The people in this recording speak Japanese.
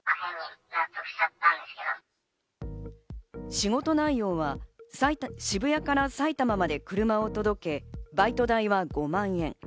仕事内容は渋谷から埼玉まで車を届け、バイト代は５万円。